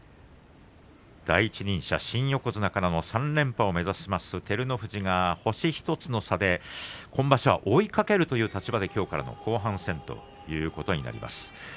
第一人者、新横綱からの３連覇を目指します、照ノ富士は星１つの差で今場所は追いかけるという立場できょうからの後半戦ということになります。